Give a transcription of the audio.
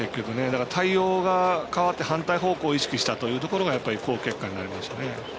対応が変わって反対方向を意識したというのが好結果になりましたよね。